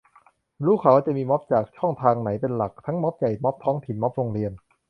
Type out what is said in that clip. รู้ข่าวว่าจะมีม็อบจากช่องทางไหนเป็นหลัก ? ทั้งม็อบใหญ่ ม็อบท้องถิ่น ม็อบโรงเรียน